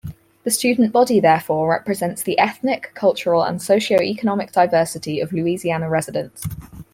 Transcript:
The student body, therefore, represents the ethnic, cultural, and socioeconomic diversity of Louisiana residents.